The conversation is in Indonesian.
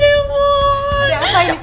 tidak putri sus goreng